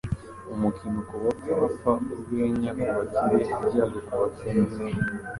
umukino ku bapfapfa, urwenya ku bakire, ibyago ku bakene.”